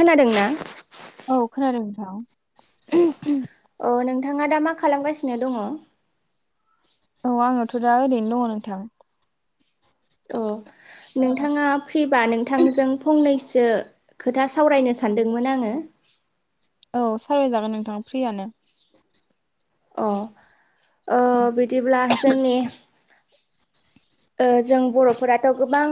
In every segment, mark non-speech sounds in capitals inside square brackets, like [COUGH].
खोनादोंना औ खोनादों नोंथां। अ नोंथाङा दा मा खालामगासिनो दङ। औ आङोथ' दा ओरैनो दङ नोंथां। अ नोंथाङा फैबा नोंथांजों फंनैसो खोथा सावरायनो सानदोंमोन आङो औ सावरायजागोन नोंथां फ्रियानो अ ओ औ बिदिब्ला जोंनि ओ जों बर'फोराथ' गोबां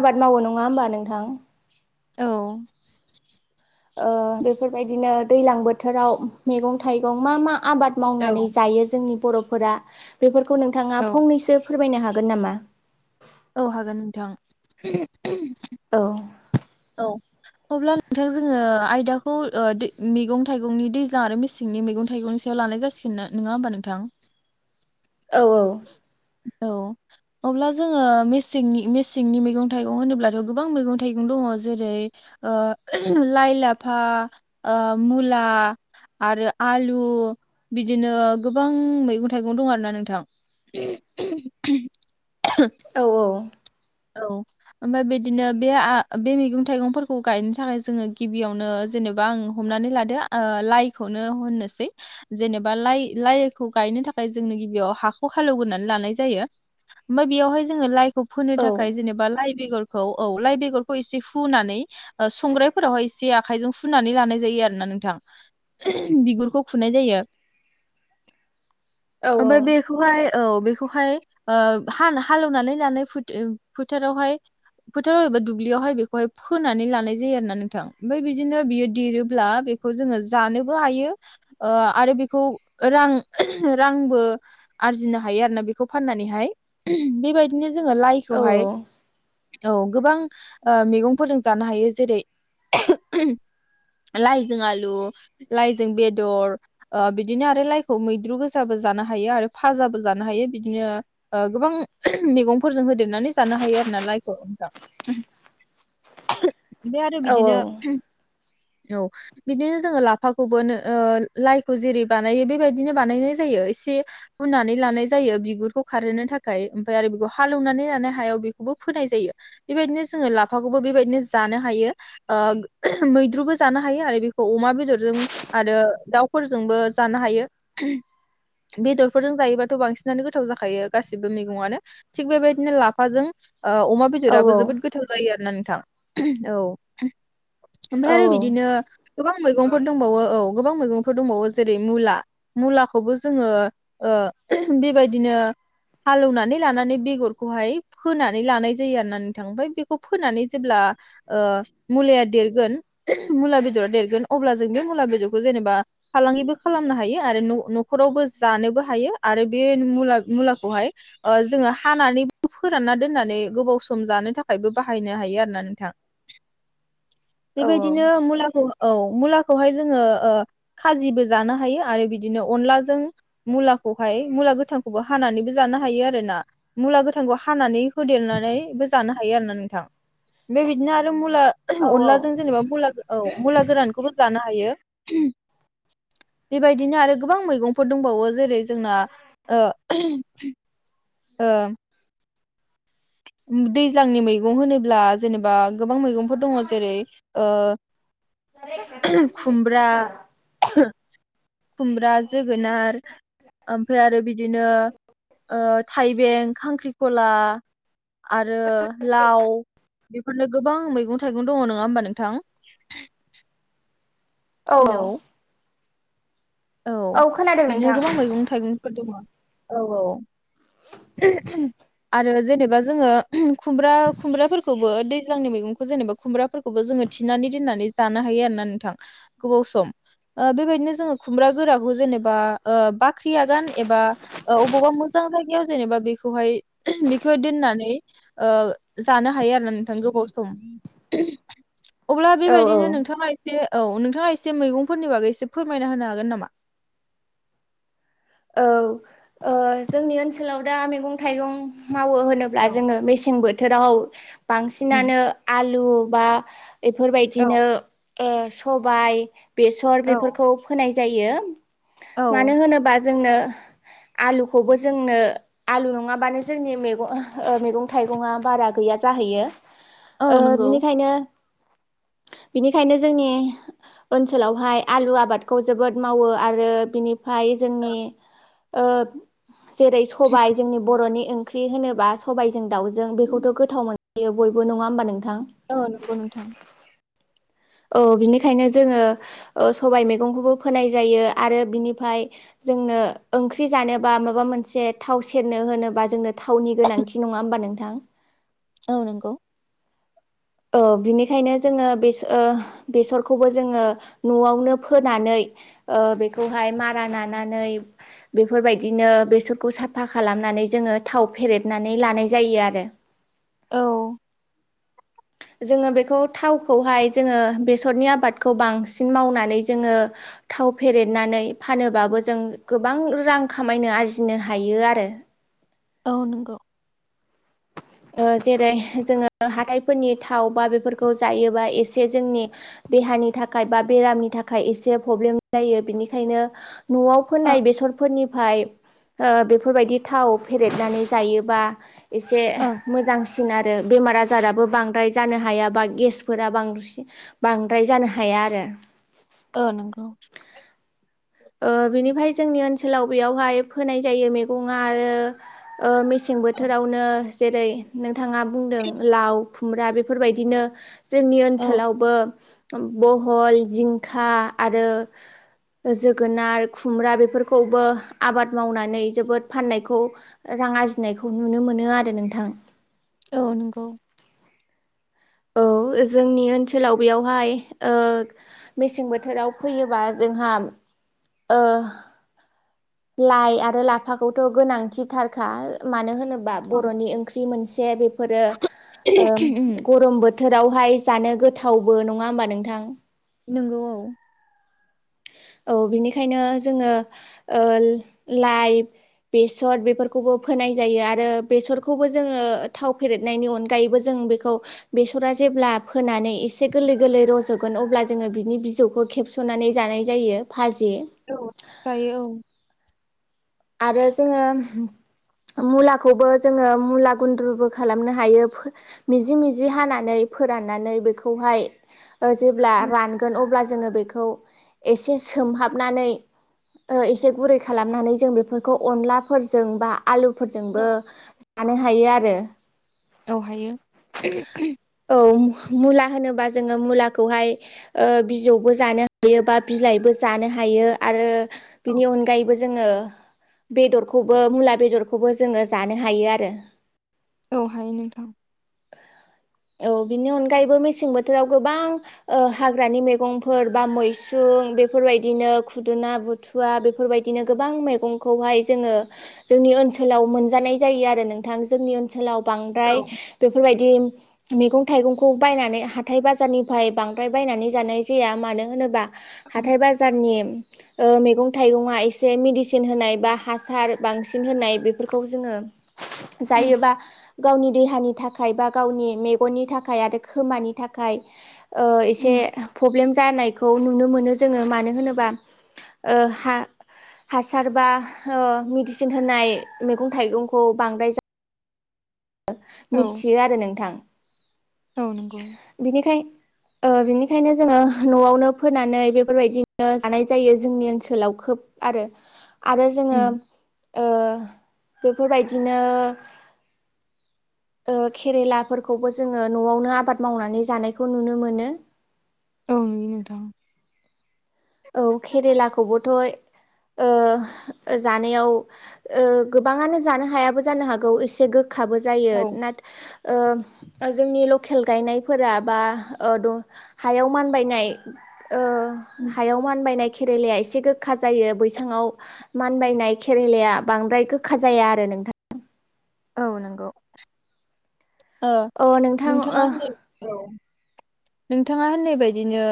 आबाद मावो नङा होमबा नोंथां? औ ओ बेफोरबायदिनो दैज्लां बोथोराव मैगं थाइगं मा मा। आबाद मावनानै जायो जोंनि बर'फोरा बे खौ नोंथाङा फंनैसो फोरमायनो हागोन नामा? औ हागोन नोंथां। औ औ अब्ला नोंथां जोङो आयदाखौ मैगं थाइगंनि दैज्लां आरो मेसेंनि मैगं थाइगंनि सायाव लानाय जासिगोन ना, नङा होमबा नोंथां? औ औ औ अब्ला जोङो मेसेंनि मेसेंनि मैगं थाइगं होनोब्लाथ' गोबां मैगं थाइगं दङ जेरै ओ लाइ लाफा ओ मुला आरो आलु बिदिनो गोबां मैगं थाइगं दं आरोना नोंथां। [UNINTELLIGIBLE] औ औ औ ओमफ्राय बिदिनो बेआ बे मैगं थाइगंफोरखौ गायनो थाखाय जोङो गिबियावनो जेनेबा आं हमनानै लादो लाइखौनो होननोसै जेनेबा लाइ लाइखौ गायनो थाखाय जोंनो गिबियाव हा हालौग्रोनानै लानाय जायो ओमफ्राय बेयावहाय जोङो लाइ- फोनो औ थाखाय जेनेबा लाइ बेखौ औ लाइ बेरखौ एसे फुनानै संग्रायफोरावहाय एसे आखाइजों फुनानै लानाय जायो आरोना नोंथां बिगुरखौ फुनाय जायो। औ औ बेखौहाय ओमफ्राय औ बेखौहाय ओ हाल हालेवनानै लानाय फोथ फोथारावहाय फोथाराव एबा दुब्लियावहाय बेखौहाय फोनानै लानाय जायो आरो ना नोंथां, ओमफ्राय बिदिनो बियो देरोब्ला बेखौ जोङो जानोबो हायो ओ आरो बेखौ रां रांबो आरजिनो हायो आरोना बेखौ फाननानैहाय बेबायदिनो जोंङो औ लाइखौहाय औ गोबां ओ मैगंफोरजों जानो हायो जेरै लाइजों आलु लाइजों ओ बेदर बिदिनो आरो लाइखौ मैद्रु गोसाबो जानो हायो आरो फाजाबो जानो हायो बिदिनो गोबां ओ मैगंफोरजों होदेरनानै जानो हायो आरो ना लाइखौ बे औ आरो बिदिनो औ बिदिनो जोंङो लाफाखौबोनो ओ लाइखौ जेरै बानायो बेबायदिनो बानायनाय जायो एसे हुनानै लानाय जायो बिगुरखौ खारहोनो थाखाय ओमफ्राय आरो बेखौ हालेवनानै लानाय हायाव बेखौबो फोनाय जायो बेबायदिनो जोंङो लाफाखौबो बेबायदिनो जानो हायो ओ मैद्रुबो जानो हायो आरो बेखौ अमा बेदरजों आरो दाउफोरजोंबो जानो हायो बेदर फोरजों जायोबाथ बांसिनानो गोथाव जाखायो गासिबो मैगङानो थिग बेबायदिनो लाफाजों ओ अमा बेदराबो जोबोद गोथाव जायो आरो [UNINTELLIGIBLE] औ ओमफ्राय आरो बिदिनो गोबां गोबां मैगंफोर दंबावो औ गोबां मैगंफोर दंबावो जेरै मुला मुलाखौबो जोंङो ओ बेबायदिनो हालेवनानै लानानै बेगरखौहाय फोनानै लानाय जायो आरो ना नोंथां ओमफ्राय बेखौ फोनानै जेब्ला ओ मुुलिाया देरगोन मुला बेदरा देरगोन अब्ला जों बे मुला बेदरखौ जेनेबा फालांगिबो खालामनो हायो आरो न-नखरावबो जानोबो हायो आरो बे मुला-मुलाखौहाय ओ जोंङो हानानै फोरानना दोननानै गोबाव सम जानो थाखायबो बाहायनो हायो आरोना नोंथां बेबायदिनो मुलाखौ औ मुलाखौहाय जोंङो ओ खाजिबो जानो हायो आरो बिदिनो अनलाजों मुलाखौहाय मुला गोथांखौबो हानानैबो जानो हायो आरो ना मुला गोथांखौ हानानै होदेरनानैबो जानो हायो आरो ना नोंथां बे बिदिनो आरो मुला औ अनलाजों जेनेबा मुला औ मुला गोरानखौबो जानो हा हायो बेबायदिनो आरो गोबां मैगं फोर दंबावो जेरै जोंना ओ ओ दैज्लांनि मैगं होनोब्ला जेनेबा गोबां मैगंफोर दङ जेरै ओ खुमब्रा खुमब्रा जोगोनार ओमफ्राय आरो बिदिनो ओ थाइबें खांख्रिखला आरो लाव बेफोरनो गो गोबां मैगं थाइगं दङ नङा होमबा नोंथां औ औ हेलौ औ खोनादों बिदिनो नोंथां गोबां मैगं थाइगंफोर दङ औ औ आरो जेनेबा जोंङो खुमब्रा खुमब्राफोरखौबो दैज्लांनि मैगंखौ जेनेबा खुमब्राफोरखौबो जोंङो थिनानै दोननानै जानो हायो आरो ना नोंथां गोबाव सम बेबायदिनो जोंङो खुमब्रा गोराखौ जेनेबा ओ बाख्रि आगान एबा अबावबा मोजां जायगायाव जेनेबा बेखौहाय बेखौहाय दोननानै ओ जानो हायो आरो ना नोंथां गोबाव सम अब्ला औ बेबायदिनो नोंथाङा एसे औ नोंथां नोंथाङा एसे मैगंफोरनि बागै एसे फोरमायना होनो हागोन नामा? औ ओ जोंनि ओनसोलाव दा मैगं थाइगं मावो होनोब्ला औ जोङो मेसें बोथ थोराव उम बांसिनानो आल लु बा औ बेफोरबायदिनो ओ सबाय, बेसर औ बेफोरखौ फोनाय जायो। मानो औ होनोबा जोंनो आलुखौबो जोंनो आलु नङाबानो जोंनि मैगं ओ मैगं थाइगंआवबारा गैया जाहैयो। ओ औ नंगौ बिनिखायनो बिनिखायनो जोंनि ओनसोलावहाय आलु आबादखौ जोबोद मावो आरो बिनिफाय जोंनि ओ जेरै सबाय जोंनि बर'नि ओंख्रि होनोबा सबायजों दाउ जों बेखौथ' गोथाव मोन जायो बयबो नङा होमबा नोंथां। औ नंगौ नोंथां। औ बिनिखायनो जोङो ओ सबाय मैगंखौबो फोनाय जायो आरो बिनिफाय जोंनो ओंख्रि जानोबा माबा मोनसे थाव सेरनो होनोबा जोंनो थावनि गोनांथि नङा होनोमबा नों थां औ नंगौ औ बिनिखायनो जोङो बे ओ बेसरखौबो जोङो न'आवनो फोनानै ओ बेखौहाय मारा नानानै बेफोरबायदिनो बेसरखौ साफा खालामनानै जोङो थाव फेरेदनानै लानाय जायो आरो औ जोङो बेखौ थावखौहाय जोङो बेसरनि आबादखौ बांसिन मावनानै जोङो थाव फेरेेदनानै फानोबाबो जों गोबां रां खामायनो आरजिनो हायो आरो औ नंगौ ओ जेरै जोङो हाथायफोरनि थाव बा बेफोरखौ जायोबा एसे जोंनि देहानि थाखाय बा बेरामनि थाखाय एसे प्रब्लेम जायो बिनिखायनो न'आव फोनाय ओं बेसरफोरनिफाय ओ बेफोरबायदि थाव फेरेदनानै जायोबा एसे ओं बांसिन आरो बेमार आजाराबो बांद्राय जानो हाया बा गेसफोरा बांसि बांद्राय जानो हाया आरो औ नंगौ ओ बिनिफाय जोंनि ओनसोलाव बेयावहाय फोनाय जायो मैगं आ आरो ओ मे सें औ बोथोरावनो जेरै नों थाङा बुंदों लाव खुमब्रा बेफोरबायदिनो जोंनि ओनसोलावबो बहल जिंखा आरो ज जोगोनार खुमब्रा बेफोरखौबो आबाद मावनानै जोबोद फाननायखौ रां आरजिनायखौ नुनो मोनो आरो नोंथां औ नंगौ औ जोंनि ओनसोलाव बेयावहाय मेसें बोथोराव फैयोबा जोंहा लाइ आरो लाफाखौथ' गोनांथिथारखा मानो होनोब्ला बा बर'नि ओंख्रि मोनसे जे बे फोरो बोथोरावहाय जानो गोथावबो नङा होमबा नोंथां नंगौ औ बिनिखायनो जोङो लाइ बेसर बेफोरखौबो फोनाय जायो आरो बेसरखौबो जोङो थाव फेरेदनायनि अनगायैबो जों बेखौ बेसरा जेब्ला फोनानै एसे गोरलै गोरलै रज'गोन अब्ला जोङो बिनि बिजौखौ खेबस'नानै जानाय जायो भाजि औ जायो औ आरो जोङो मुलाखौबो जोङो मुला गुन्द्रुबो खालामनो हायो मिजि मिजि हानानै फोराननानै बेखौहाय जेब्ला औ रानगोन अब्ला जोङो बेखौ एसे सोमहाबनानै एसे गुरै खालामनानै जों बेखौ बेफोरखौ अनलाफोरजोंबा औ आलुफोरजोंबो लानो हायो आरो बेवहायो औ मुला होनोबा जोङो मुलाखौहाय बिजौबो जानो हायो बा बिलाइबो जानो हायो आरो बिनि अनगायैबो जोङो बेदरखौबो मुला बेदरखौबो जोङो जानो हायो आरो औ हायो नोंथां औ बिनि अनगायैबो मेसें बोथोराव गोबां हाग्रानि मैगंफोर बा मैसुं बेफोरबायदिनो खुदुना बुथुवा बेफोरबायदिनो गोबां मैगं खौहाय जोङो जोंनि ओनसोलाव मोनजानाय जायो आरो नोंथां जोंनि ओनसोलाव बांद्राय बेफोरबायदि बिदि मैगं थाइगंखौ बायनानै हाथाय बाजारनिफ्राय बांद्राय बायनानै जानाय जाया मानो होनोबा उम हाथाय बाजारनि मैगं थाइगंआ एसे मेदिसिन होनाय बा हासार बांसिन होनाय बेफोरखौ जोङो जायोबा गावनि देहानि थाखाय बा गावनि मेगननि थाखाय आरो खोमानि थाखाय एसे उम प्रब्लेम जानायखौ नुनो मोनो जोङो मानो होनोबा हासार बा मेडिसिन होनाय मैगं थाइगंखौ बांद्राय जा औ मिथियो आरो नोंथां औ नंगौ बिनिखाय ओ बिनिखायनो जोङो न'आवनो फोनानै बेफोरबायदिनो जानाय जायो जोंनि ओनसोलाव खोब आरो। आरो जोङो उम ओ बेफोरबायदिनो ओ केरेलाफोरखौबो जोङो न'आवनो आबाद मावनानै जानायखौ नुनो मोनो। औ नोंगौ नोंथां औ केरेलाखौबोथ'ओ जानायाव ओ गोबाङानो जानो हायाबो जानो हागौ एसे गो खाबो जायो औ नाथा ओ जोंनि लकेल गायनायफोरा बा ओ द हायाव मानबायनाय ओ हायाव मान बायनाय केेरेलाया एसे गोखा जायो बैसाङाव मानबायनाय केरेलाया बांद्राय गोखा जाया आरो नोंथां औ नंगौ ओ अ नोंथां नोंथाङा होन औ नोंथाङा होननाय बायदिनो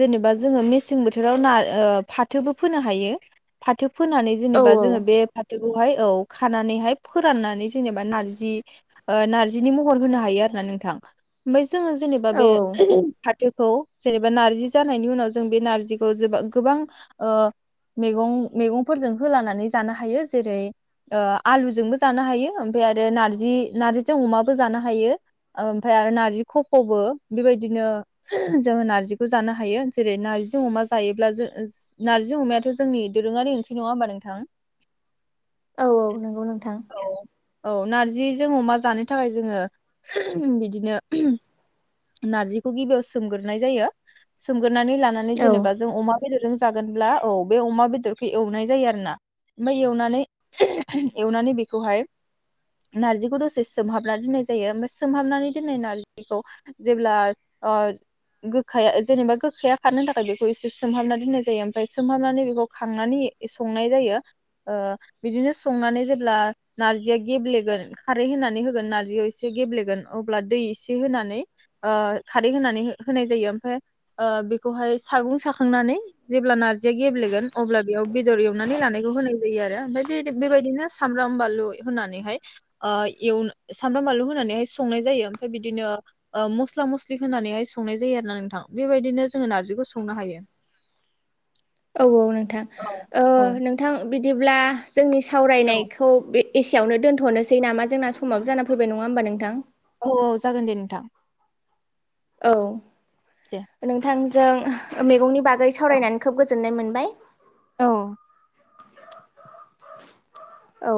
जेनेबा जोङो मेसें बोथोराव ना ओ फाथोबो फोनो हायो फाथो फोनानै ओ जेनेबा औ जोङो बे फाथोखौहाय औ खानानैहाय फोरनानै जेनेबा नारजि ओ नरजिनि महर होनो हायो आरोना नोंथां ओमबाय जोङो जेनेबा औ उम फाथो खौ जेनेबा नार्जि जानायनि उनाव जों बे नार्जिखौ जबा गोबां ओ मैगं मैगंफोरजों होलानानै जानो हायो जेरै ओ आलुजोंबो जानो हायो ओमफ्राय आरो नारजि नार्जिजों अमाबो जानो हायो ओमफाय आरो नारजि खफ'बो। बेबायदिनो जोङो नार्जिखौ जानो हायो जेरै नार्जि अमा जायोब्ला जो नार्जि अमायाथ' जोंनि दोरोङारि ओंख्रि नङा होमबा नोंथां। औ औ नंगौ नोंथां। औ नारजिजों अमा जानो थाखाय जोङो बिदिनो नारजिखौ गिबियाव सोमगोरनाय जायो सोम नानै लानानै औ जेनेबा जों अमा बेदर जों जागोनब्ला औ बे अमा बेदरखौ एवनाय जायो आरो ना ओमफाय एवनानै बेखौहाय नारजिखौ दसे सोमहाबना दोननाय जायो ओमफ्राय सोमहाबनानै दोननाय नार्जिखौ जेब्ला ओ गोखाया जेनेबा गोखाया खारनो थाखाय बेखौ एसे सोमहाबना दोननाय जायो ओमफ्राय सोमहाबनानै बेखौ खांनानै संनाय जायो बिदिनो संनानै जेब्ला नार्जिया गेब्लेगोन खारै होनानै होगोन नार्जियाव एसे गेब्लेगोन अब्ला दै एसे होनानै ओ खारै होनानै होनाय जायो ओमफ्राय ओ बेखौहाय सागुं साखांनानै जेब्ला नार्जिया गेब्लेगोन अब्ला बेयाव बेदर एवनानै लानायखौ होनाय जायो आरो ओमफ्राय बे बेबायदिनो सामब्राम बानलु होनानैहाय ओ एवन सामब्राम बानलु होनानैहाय संनाय जायो ओमफाय बिदिनो ओ मस्ला मस्लि होनानैहाय संनाय जायो आरो ना नोंथां बेबायदिनो जोङो नार्जिखौ संनो हायो। औ औ नों थां औ ओ औ नोंथां बिदिब्ला जोंनि औ सावरायनायखौ बे एसेयावनो दोनथ'नोसै नामा जोंना समाबो जाना फैबाय नङा होमबा नोंथां। औ औ जागोन दे नोंथां। दे औ नोंथां जों मैगंनि बा गै सावरायनानै खोब गोजोननाय मोन बाय औ। औ।